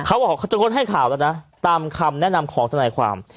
เขาบอกเขาจะงดให้ข่าวแล้วนะตามคำแนะนำของทนายความ